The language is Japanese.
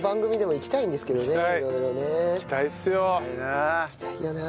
行きたいよな。